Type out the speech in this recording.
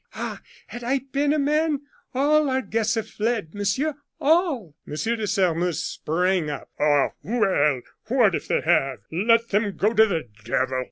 Ah! had I been a man! All our guests have fled, Monsieur all!" M. de Sairmeuse sprang up. "Ah, well! what if they have? Let them go to the devil!"